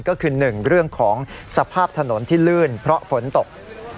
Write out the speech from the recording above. ก็คือ๑เรื่องของสภาพถนนที่ลื่นเพราะฝนตก